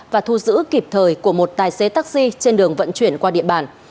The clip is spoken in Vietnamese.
và thu giữ kịp thời của một tài xế taxi trên đường vận chuyển qua địa bàn